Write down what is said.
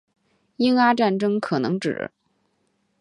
英阿战争可能指